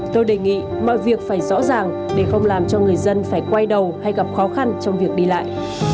tôi đề nghị mọi việc phải rõ ràng để không làm cho người dân phải quay đầu hay gặp khó khăn trong việc đi lại